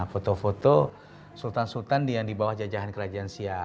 foto foto sultan sultan yang di bawah jajahan kerajaan siak